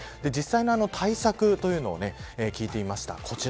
実際の対策を聞いてみました。